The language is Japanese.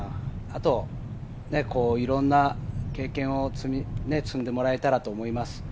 あといろんな経験を積んでもらえたらと思います。